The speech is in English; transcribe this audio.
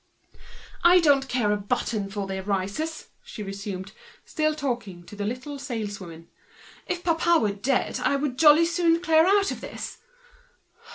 "I don't care a button for their rises!" resumed the latter, still talking to the little saleswoman. "If papa were dead, I would jolly soon clear out of this!